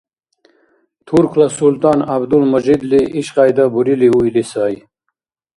Туркла СултӀан ГӀябдул-Мажидли ишкьяйда бурили уили сай